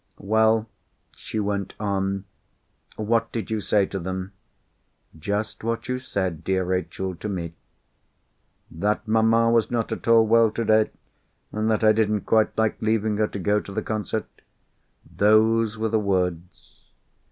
"Well?" she went on. "What did you say to them?" "Just what you said, dear Rachel, to me." "That mamma was not at all well today? And that I didn't quite like leaving her to go to the concert?" "Those were the words.